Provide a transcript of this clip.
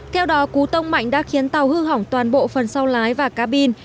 theo đó cú tông mạnh đã khiến tàu hư hỏng toàn bộ phần sau lái và cá bin